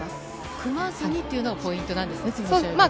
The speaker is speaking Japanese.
組まずにというのがポイントなんですね、次の選手。